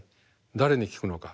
誰に聞くのか。